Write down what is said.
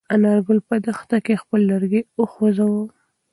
انارګل په دښته کې خپل لرګی وخوځاوه.